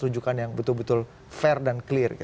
tunjukkan yang betul betul fair dan clear